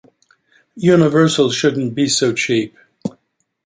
Universal shouldn't be so cheap.